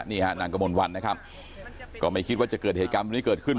นี่ฮะนางกระมวลวันนะครับก็ไม่คิดว่าจะเกิดเหตุการณ์แบบนี้เกิดขึ้น